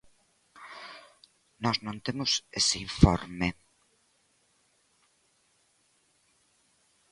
Nós non temos ese informe.